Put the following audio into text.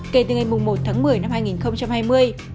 kể từ ngày một tháng một mươi năm hai nghìn hai mươi